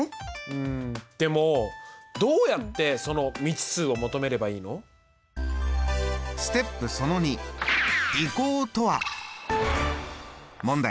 うんでもどうやってその未知数を求めればいいの？問題！